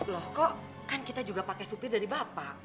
loh kok kan kita juga pake sopir dari bapak